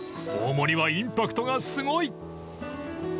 ［大盛りはインパクトがすごい！］